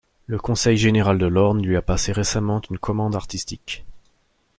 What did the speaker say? Le conseil général de l'Orne lui a passé récemment une commande artistique.